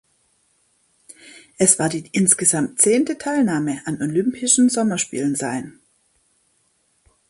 Es war die insgesamt zehnte Teilnahme an Olympischen Sommerspielen sein.